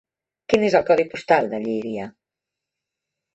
Quin és el codi postal de Llíria?